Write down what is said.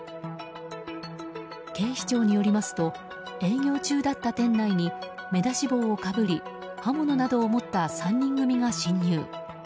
警視庁によりますと営業中だった店内に目出し帽をかぶり刃物などを持った３人組が侵入。